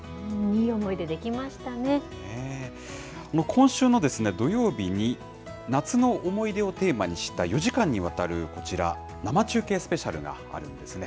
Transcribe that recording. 今週の土曜日に、夏の思い出をテーマにした４時間にわたる、こちら、生中継スペシャルがあるんですね。